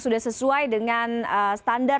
sudah sesuai dengan standar